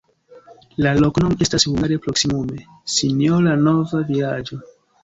La loknomo estas hungare proksimume: sinjora-nova-vilaĝo.